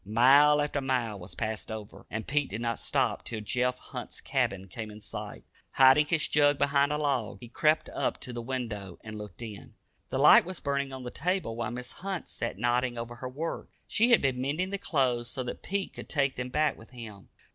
Mile after mile was passed over, yet Pete did not stop till Jeff Hunt's cabin came in sight. Hiding his jug behind a log, he crept up to the window and looked in. The light was burning on the table, while Mrs. Hunt sat nodding over her work. She had been mending the clothes so that Pete could take them back with him.